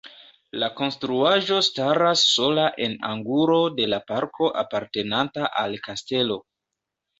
La konstruaĵo staras sola en angulo de la parko apartenanta al kastelo.